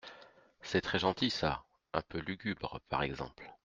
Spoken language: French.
C’est très gentil ça !… un peu lugubre, par exemple…